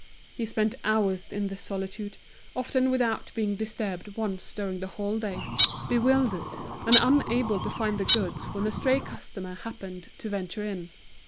He spent hours in this solitude, often without being disturbed once during the whole day, bewildered, and unable to find the goods when a stray customer happened to venture in.